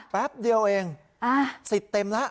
แป๊บเดียวเองสิทธิ์เต็มแล้ว